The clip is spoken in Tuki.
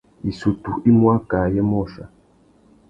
Issutu i mú akā ayê môchia.